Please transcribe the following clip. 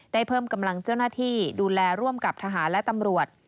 ได้เพิ่มกำลังเจ้าหน้าที่ดูแลร่วมกับทหารและตำรวจ